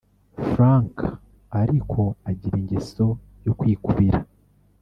Frank ariko agira ingeso yo kwikubira